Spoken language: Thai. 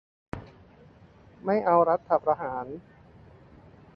ไม่เอารัฐประหาร